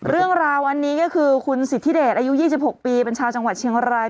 เรื่องราววันนี้ก็คือคุณสิทธิเดชอายุ๒๖ปีเป็นชาวจังหวัดเชียงราย